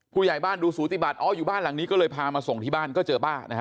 ผู้ใหญ่บ้านดูสูติบัติอ๋ออยู่บ้านหลังนี้ก็เลยพามาส่งที่บ้านก็เจอป้านะฮะ